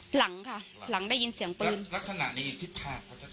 หลังค่ะหลังได้ยินเสียงปืนลักษณะนี้ทิศทางเขาจะ